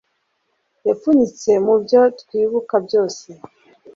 yapfunyitse mubyo twibuka byose